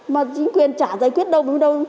mà chính quyền chả giải quyết đâu đúng đâu